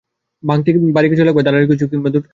ভাঙতে ভারী কিছু লাগবে, ধারালো কিছু কিংবা দুটোই।